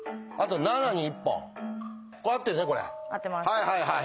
はいはいはい。